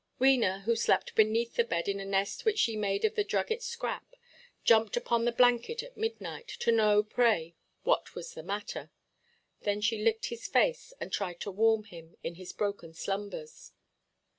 Wena, who slept beneath the bed in a nest which she made of the drugget–scrap, jumped upon the blanket at midnight, to know pray what was the matter. Then she licked his face, and tried to warm him, in his broken slumbers.